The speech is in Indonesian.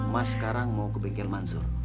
mas sekarang mau ke bengkel mansur